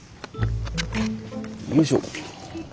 よいしょ。